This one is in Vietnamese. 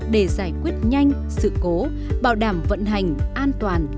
để giải quyết nhanh sự cố bảo đảm vận hành an toàn lưới điện